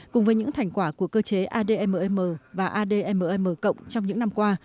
cùng với những thành quả của cơ chế admm và admm cộng trong những năm qua